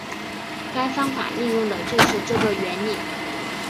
该方法利用的就是这个原理。